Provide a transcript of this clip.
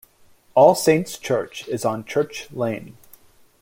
All Saints church is on Church Lane.